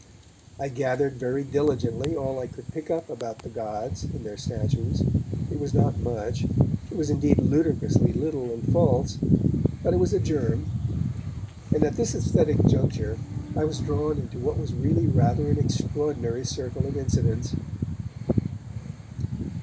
I gathered very diligently all I could pick up about the Greek gods and their statues; it was not much, it was indeed ludicrously little and false, but it was a germ. And at this aesthetic juncture I was drawn into what was really rather an extraordinary circle of incidents.